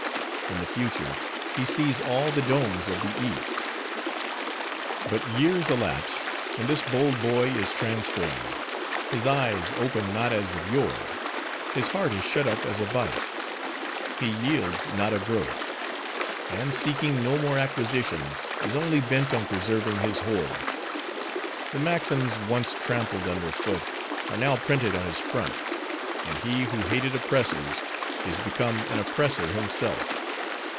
In the future he sees all the domes of the East. "But years elapse, and this bold boy is transformed. His eyes open not as of yore; his heart is shut up as a vice. He yields not a groat; and seeking no more acquisitions, is only bent on preserving his hoard. The maxims once trampled under foot, are now printed on his front; and he who hated oppressors, is become an oppressor himself.